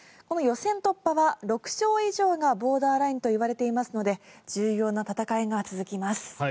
この予選突破は６勝以上がボーダーラインといわれていますので重要な戦いが続きます。